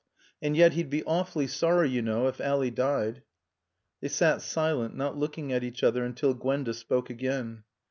And yet he'd be awfully sorry, you know, if Ally died." They sat silent, not looking at each other, until Gwenda spoke again.